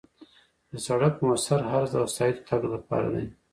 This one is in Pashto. د سړک موثر عرض د وسایطو د تګ لپاره دی